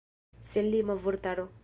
Senlima vortaro.